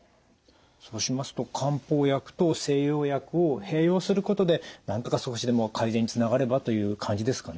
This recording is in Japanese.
そうしますと漢方薬と西洋薬を併用することでなんとか少しでも改善につながればという感じですかね。